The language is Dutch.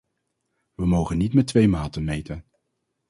Wij mogen niet met twee maten meten.